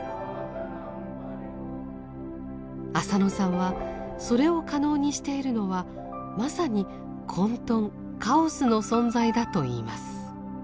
浅野さんはそれを可能にしているのはまさに混沌・カオスの存在だといいます。